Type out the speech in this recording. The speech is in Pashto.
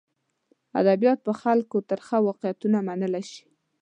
ادبیات په خلکو ترخه واقعیتونه منلی شي.